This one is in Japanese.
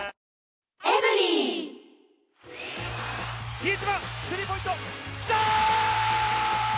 比江島、スリーポイント、きた！